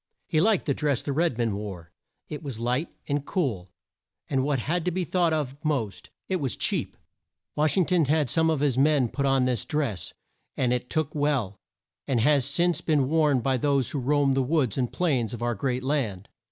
He liked the dress the red men wore. It was light and cool, and, what had to be thought of most, it was cheap. Wash ing ton had some of his men put on this dress, and it took well, and has since been worn by those who roam the woods and plains of our great land.